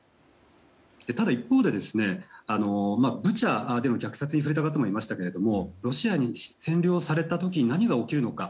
ただ、一方でブチャでの虐殺に触れた方もいましたがロシアに占領された時に何が起きるのか。